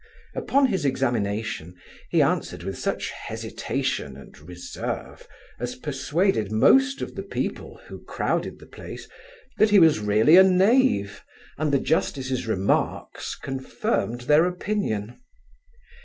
Upon his examination, he answered with such hesitation and reserve as persuaded most of the people, who crowded the place, that he was really a knave, and the justice's remarks confirmed their opinion.